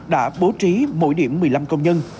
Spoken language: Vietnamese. đã bố trí mỗi điểm một mươi năm công nhân